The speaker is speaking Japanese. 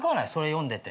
読んでて。